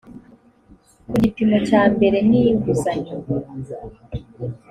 ku gipimo cya mbere n inguzanyo